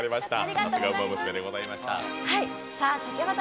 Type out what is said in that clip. さすが、ウマ娘でございました。